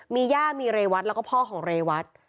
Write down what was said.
มีย่ามีเรวัตแล้วก็พ่อของเรวัต